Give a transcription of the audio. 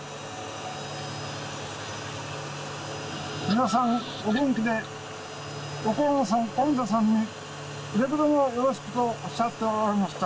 皆さんお元気で横山さん上田さんにくれぐれもよろしくとおっしゃっておられました。